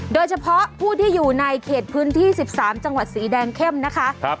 โดยเฉพาะผู้ที่อยู่ในเขตพื้นที่๑๓จังหวัดสีแดงเข้มนะคะ